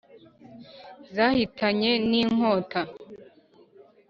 zahitanye n'inkota